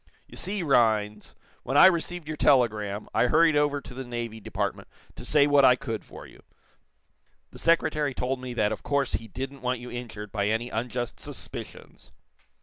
You see, Rhinds, when I received your telegram, I hurried over to the Navy Department to say what I could for you. The Secretary told me that of course he didn't want you injured by any unjust suspicions."